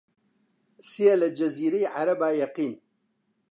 سێ لە جەزیرەی عەرەبا یەقین